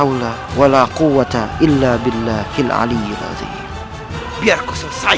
biar ku selesaikan pertarungan ini kian santai